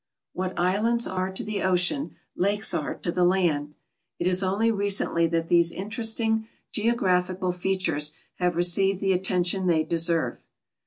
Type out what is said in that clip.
What islands are to the ocean, lakes are to the land. It is only recently that these interesting geographical features have received the attention they deserve.